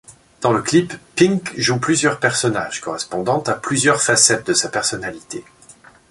Dans le clip, Pink joue plusieurs personnages, correspondant à plusieurs facettes de sa personnalité.